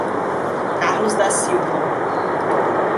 Carlos da Silva